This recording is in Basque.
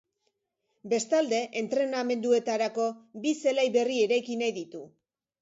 Bestalde, entrenamenduetarako bi zelai berri eraiki nahi ditu.